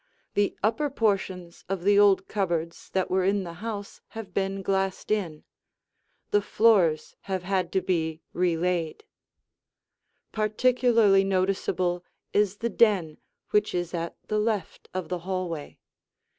The upper portions of the old cupboards that were in the house have been glassed in. The floors have had to be re laid. [Illustration: The Den] Particularly noticeable is the den which is at the left of the hallway.